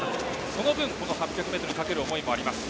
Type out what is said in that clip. その分、この８００ｍにかける思いもあります。